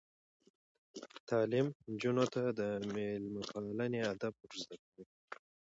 تعلیم نجونو ته د میلمه پالنې آداب ور زده کوي.